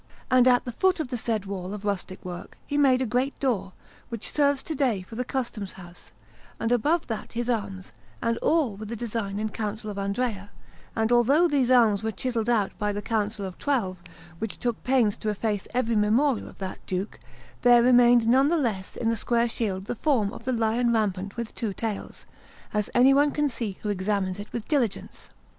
And at the foot of the said wall of rustic work he made a great door, which serves to day for the Customs house, and above that his arms, and all with the design and counsel of Andrea; and although these arms were chiselled out by the Council of Twelve, which took pains to efface every memorial of that Duke, there remained none the less in the square shield the form of the lion rampant with two tails, as anyone can see who examines it with diligence.